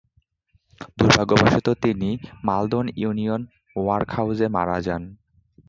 দুর্ভাগ্যবশত তিনি মালদোন ইউনিয়ন ওয়ার্কহাউজে মারা যান।